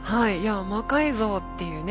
魔改造っていうね